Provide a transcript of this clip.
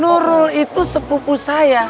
nurul itu sepupu saya